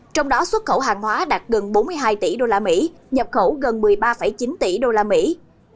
trong đó xuất khẩu hàng hóa đạt gần bốn mươi hai tỷ usd nhập khẩu gần một mươi ba chín tỷ usd